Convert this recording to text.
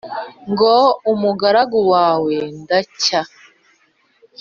Ngo umugaragu wawe ndacya